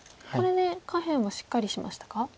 これで下辺はしっかりしましたか？